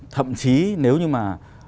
thậm chí nếu như mà